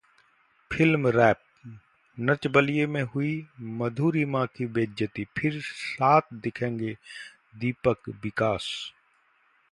FilmWrap: Nach Baliye में हुई मधुरिमा की बेइज्जती, फिर साथ दिखेंगे दीपक-विकास